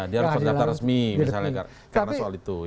dia harus terdaftar resmi misalnya karena soal itu